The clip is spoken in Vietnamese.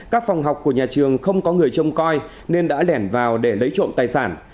các phòng học của nhà trường không có người trông coi nên đã lẻn vào để lấy trộm tài sản